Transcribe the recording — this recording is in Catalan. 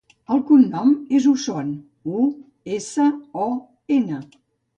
El cognom és Uson: u, essa, o, ena.